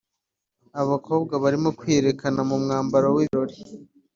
Abakobwa barimo kwiyerekana mu mwambaro w’ibirori